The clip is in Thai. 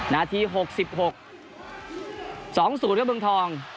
นาทีหกสิบหกสองสูตรครับเบืองทอง